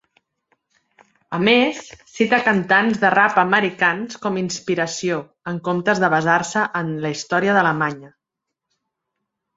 A més, cita cantants de rap americans com inspiració en comptes de basar-se en la història d'Alemanya.